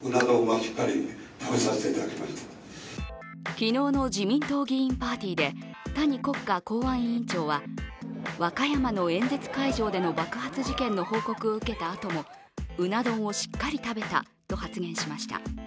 昨日の自民党議員パーティーで谷国家公安委員長は和歌山の演説会場での爆発事件の報告を受けたあともうな丼をしっかり食べたと発言しました。